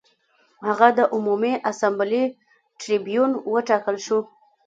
هغه د عمومي اسامبلې ټربیون وټاکل شو